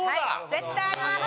絶対あります！